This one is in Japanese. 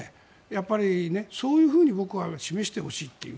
やっぱり、そういうふうに僕は示してほしいと。